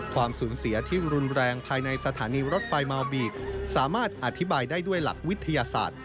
ความสูญเสียที่รุนแรงภายในสถานีรถไฟเมาบีบสามารถอธิบายได้ด้วยหลักวิทยาศาสตร์